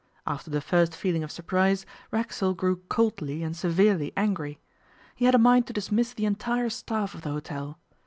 After the first feeling of surprise, Racksole grew coldly and severely angry. He had a mind to dismiss the entire staff of the hotel.